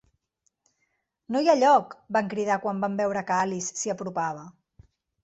"No hi ha lloc!", van cridar quan van veure que Alice s'hi apropava.